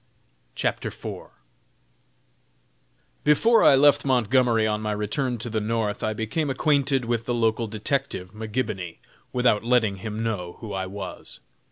CHAPTER IV. Before I left Montgomery on my return to the North, I became acquainted with the local detective, McGibony, without letting him know who I was.